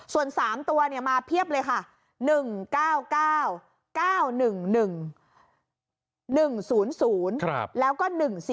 ส่วน๓ตัวมาเภียบเลยค่ะ